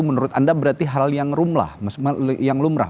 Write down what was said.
menurut anda berarti hal yang lumrah